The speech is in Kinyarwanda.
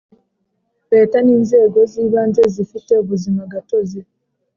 Leta n inzego z ibanze zifite ubuzima gatozi